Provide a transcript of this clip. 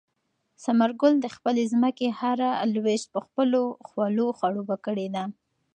ثمر ګل د خپلې ځمکې هره لوېشت په خپلو خولو خړوبه کړې ده.